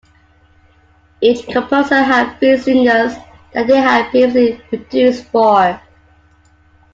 Each composer had three singers that they had previously produced for.